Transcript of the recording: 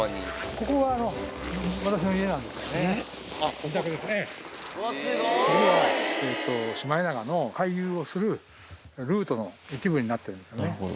ここがシマエナガの回遊をするルートの一部になってるんですよね。